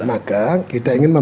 maka kita ingin membahas